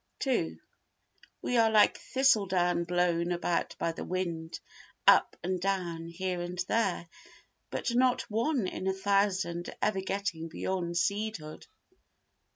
ii We are like thistle down blown about by the wind—up and down, here and there—but not one in a thousand ever getting beyond seed hood.